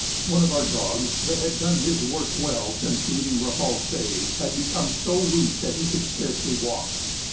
One of our dogs that had done his work well since leaving Repulse Bay, had become so weak that he could scarcely walk.